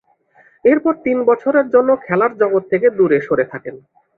এরপর তিন বছরের জন্য খেলার জগৎ থেকে দূরে সরে থাকেন।